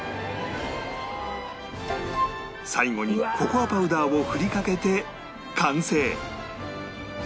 最後にココアパウダーを振りかけて完成！